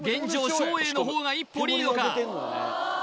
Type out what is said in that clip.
照英の方が一歩リードか？